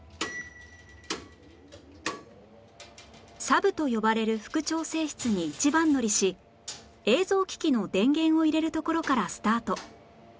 サブと呼ばれる副調整室に一番乗りし映像機器の電源を入れるところからスタート